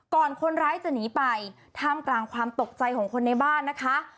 คนร้ายจะหนีไปท่ามกลางความตกใจของคนในบ้านนะคะ